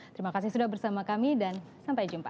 terima kasih sudah bersama kami dan sampai jumpa